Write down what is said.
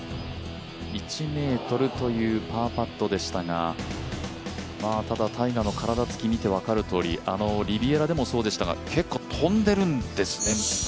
１ｍというパーパットでしたがただ、タイガーの体つきを見て分かるとおりあのリビエラでもそうでしたが、飛んでるんですね。